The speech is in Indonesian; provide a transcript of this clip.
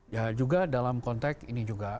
ya juga dalam konteks ini juga